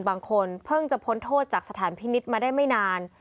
บางคนเพิ่งจะพ้นโทษจากสถานพินิษฐ์มาได้ไม่นาน